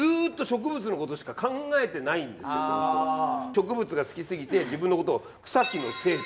植物が好きすぎて自分のことを草木の精と呼んでいた。